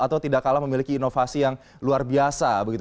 atau tidak kalah memiliki inovasi yang luar biasa begitu